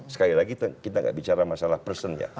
sekali lagi kita tidak bicara masalah personnya